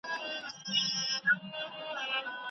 ولي مدام هڅاند د ذهین سړي په پرتله موخي ترلاسه کوي؟